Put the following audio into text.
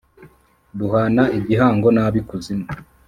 duhana igihango n’ab’ikuzimu.